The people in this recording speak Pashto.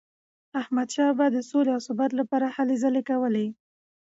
احمدشاه بابا د سولې او ثبات لپاره هلي ځلي کولي.